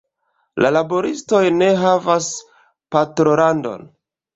La laboristoj ne havas patrolandon.